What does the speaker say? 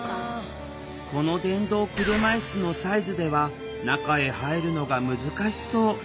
この電動車いすのサイズでは中へ入るのが難しそう。